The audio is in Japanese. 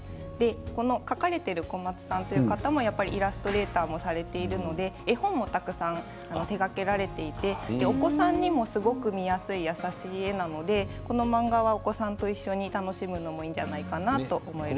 この描かれているコマツさんという方もイラストレーターもされているので絵本をたくさん手がけられていてお子さんにもすごく見やすい優しい絵なので、この漫画はお子さんと一緒に楽しむのもいいんじゃないかなと思います。